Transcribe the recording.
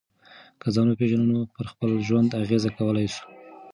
که ځان وپېژنو نو پر خپل ژوند اغېزه کولای سو.